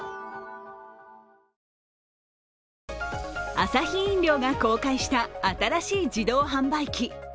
アサヒ飲料が公開した新しい自動販売機。